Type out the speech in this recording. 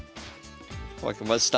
負けました。